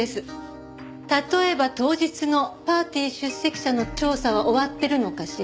例えば当日のパーティー出席者の調査は終わってるのかしら？